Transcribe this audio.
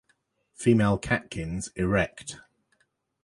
Female catkins erect.